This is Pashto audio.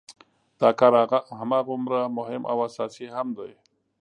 دا کار هماغومره مهم او اساسي هم دی.